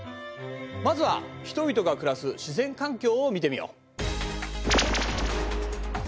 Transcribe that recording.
まずは人々が暮らす自然環境を見てみよう。